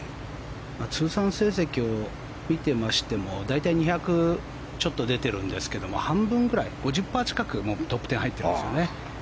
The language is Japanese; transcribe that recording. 通算成績を見てましても大体２００ちょっと出てるんですけど半分ぐらい、５０％近くトップ１０に入ってますよね。